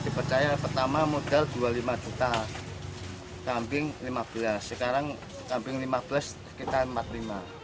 dipercaya pertama modal dua puluh lima juta kambing lima belas sekarang kambing lima belas sekitar empat puluh lima